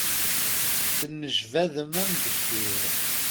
Ttnejban am ddkir.